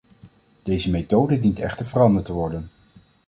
Deze methode dient echter veranderd te worden.